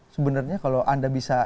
sebenarnya kalau anda bisa